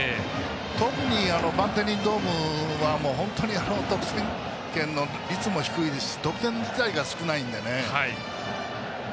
特にバンテリンドームは本当に得点圏の率も低いですし得点自体が少ないので。